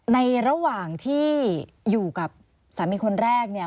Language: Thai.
ในระหว่างที่อยู่กับสามีคนแรกเนี่ย